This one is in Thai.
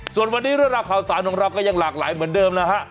ส่วนวันนี้เรื่องราวข่าวสารของเราก็ยังหลากหลายเหมือนเดิมนะฮะ